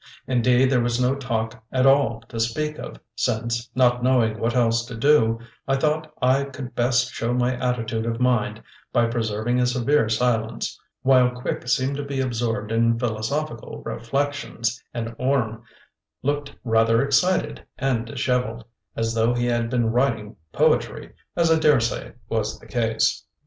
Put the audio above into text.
Indeed, there was no talk at all to speak of, since, not knowing what else to do, I thought I could best show my attitude of mind by preserving a severe silence, while Quick seemed to be absorbed in philosophical reflections, and Orme looked rather excited and dishevelled, as though he had been writing poetry, as I daresay was the case.